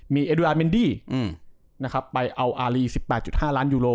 มีเอดูอาเมนดี้นะครับไปเอาอารี๑๘๕ล้านยูโร